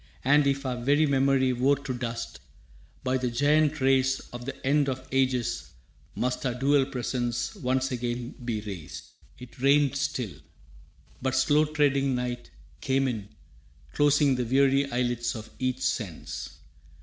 And, if our very memory wore to dust, By the giant race of the end of ages must Our dual presence once again be raised.» It rained still. But slow treading night came in Closing the weary eyelids of each sense.